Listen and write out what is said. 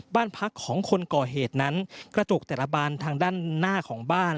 บ้านพักของคนก่อเหตุนั้นกระจกแต่ละบานทางด้านหน้าของบ้าน